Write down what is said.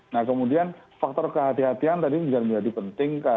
nah kemudian faktor kehatian tadi juga menjadi penting